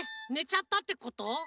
ちゃったってこと？